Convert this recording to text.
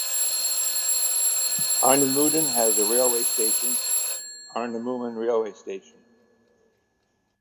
Arnemuiden has a railway station - Arnemuiden railway station.